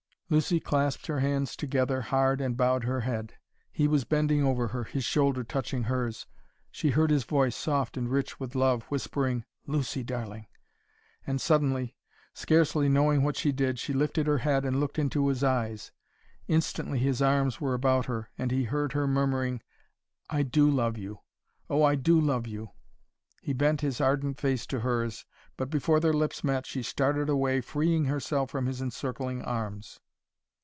Lucy clasped her hands together hard and bowed her head. He was bending over her, his shoulder touching hers. She heard his voice, soft and rich with love, whispering, "Lucy, darling!" And suddenly, scarcely knowing what she did, she lifted her head and looked into his eyes. Instantly his arms were about her, and he heard her murmuring, "I do love you! Oh, I do love you!" He bent his ardent face to hers, but before their lips met she started away, freeing herself from his encircling arms.